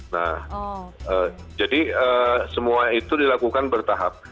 nah jadi semua itu dilakukan bertahap